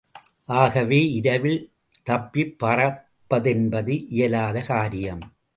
ஆகவே இரவில் தப்பிப்பறப்பதென்பது இயலாத காரியம்.